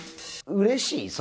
うれしい？